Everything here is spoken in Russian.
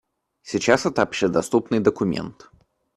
Сейчас это общедоступный документ.